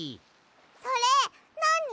それなに？